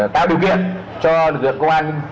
tạo điều kiện cho lực lượng công an